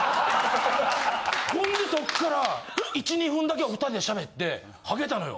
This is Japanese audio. ほんでそっから１２分だけお２人で喋ってはけたのよ。